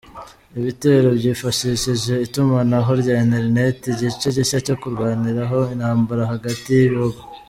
Ibitero byifashishije itumanaho rya internet, igice gishya cyo kurwaniraho intambara hagati y’ibihugu.